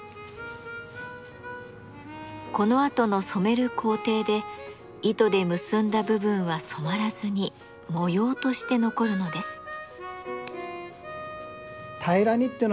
このあとの染める工程で糸で結んだ部分は染まらずに模様として残るのです。